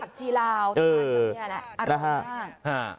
ขัดชีราวทานแบบนี้แหละอร่อยมาก